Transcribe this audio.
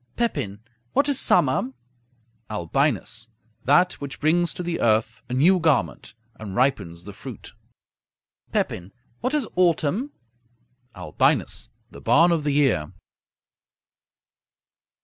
Pepin What is summer? Albinus That which brings to the earth a new garment, and ripens the fruit. Pepin What is autumn? Albinus The barn of the year.